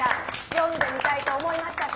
読んでみたいと思いましたか？